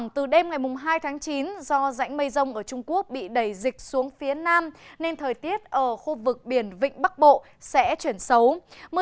từ đêm ngày hai tháng chín do rãnh mây rông ở trung quốc bị đẩy dịch xuống phía nam nên thời tiết ở khu vực biển vịnh bắc bộ sẽ chuyển xấu